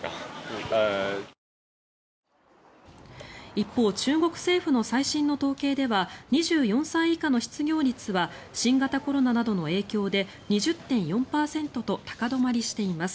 一方中国政府の最新の統計では２４歳以下の失業率は新型コロナなどの影響で２０．４％と高止まりしています。